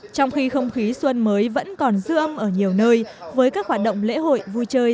trong khi không khí xuân mới vẫn còn dư âm ở nhiều nơi với các hoạt động lễ hội vui chơi